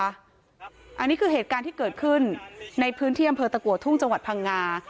อันนี้คือเหตุการณ์ที่เกิดขึ้นในพื้นที่อำเภอตะกัวทุ่งจังหวัดพังงา